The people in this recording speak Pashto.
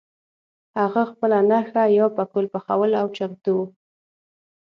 هغه خپله نښه یا پکول پخول او چمتو وو.